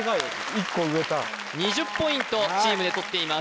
１個２０ポイントチームでとっています